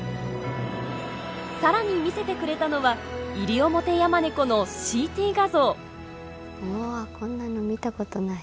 更に見せてくれたのはうわこんなの見たことない。